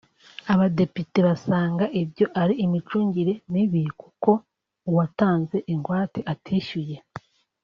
Abadepite basanga ibyo ari imicungire mibi kuko uwatanze ingwate atishyuye